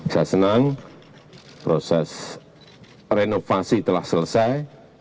saya senang proses renovasi telah selesai